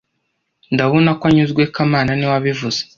Ndabona ko anyuzwe kamana niwe wabivuze